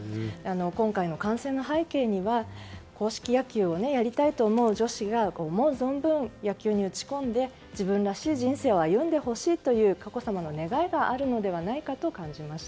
今回の観戦の背景には硬式野球をやりたいと思う女子が思う存分、野球に打ち込んで自分らしい人生を歩んでほしいという佳子さまの願いがあるのではないかと感じました。